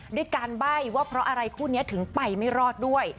ด้วยการใบ้ว่าเพราะอะไรคู่นี้ถึงไปไม่รอดด้วย